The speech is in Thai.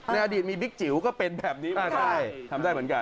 ในอดีตมีบิ๊กจิ๋วก็เป็นแบบนี้มาได้ทำได้เหมือนกัน